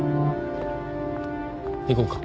行こうか。